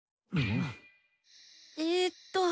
えっと